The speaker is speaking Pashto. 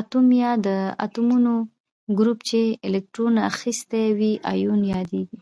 اتوم یا د اتومونو ګروپ چې الکترون اخیستی وي ایون یادیږي.